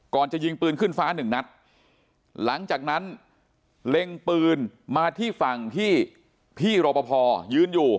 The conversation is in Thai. จะยิงปืนขึ้นฟ้าหนึ่งนัดหลังจากนั้นเล็งปืนมาที่ฝั่งที่พี่รอปภยืนอยู่